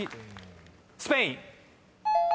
「スペイン」